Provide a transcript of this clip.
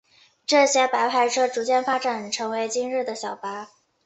这些白牌车逐渐发展成为今日的小巴。